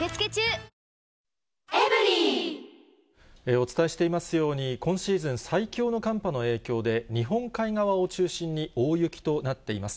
お伝えしていますように、今シーズン最強の寒波の影響で、日本海側を中心に大雪となっています。